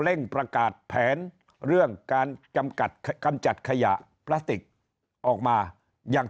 ประกาศแผนเรื่องการจำกัดกำจัดขยะพลาสติกออกมาอย่าง